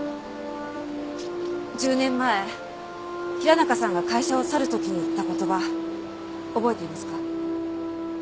１０年前平中さんが会社を去る時に言った言葉覚えていますか？